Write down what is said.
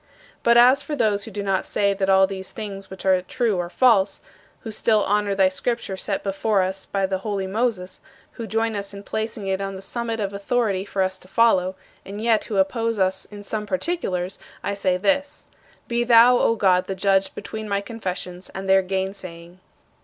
But as for those who do not say that all these things which are true are false, who still honor thy Scripture set before us by the holy Moses, who join us in placing it on the summit of authority for us to follow, and yet who oppose us in some particulars, I say this: "Be thou, O God, the judge between my confessions and their gainsaying."